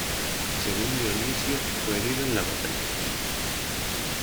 Según Dionisio, fue herido en la batalla.